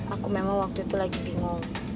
aku memang waktu itu lagi bingung